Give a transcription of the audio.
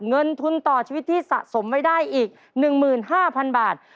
เงินทุนต่อชีวิตที่สะสมไว้ได้อีก๑๕๐๐๐บาท